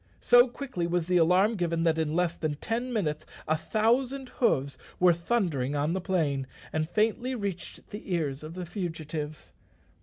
So quickly was the alarm given that in less than ten minutes a thousand hoofs were thundering on the plain, and faintly reached the ears of the fugitives.